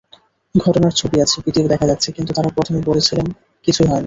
ঘটনার ছবি আছে, ভিডিও দেখা যাচ্ছে, কিন্তু তাঁরা প্রথমে বলছিলেন কিছুই হয়নি।